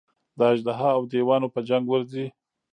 د اژدها او دېوانو په جنګ ورځي.